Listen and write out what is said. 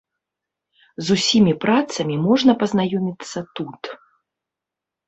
З усімі працамі можна пазнаёміцца тут.